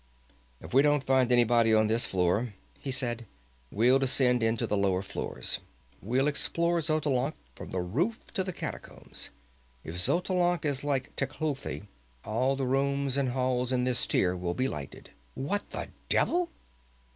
"If we don't find anybody on this floor," he said, "we'll descend into the lower floors. We'll explore Xotalanc from the roof to the catacombs. If Xotalanc is like Tecuhltli, all the rooms and halls in this tier will be lighted what the devil!"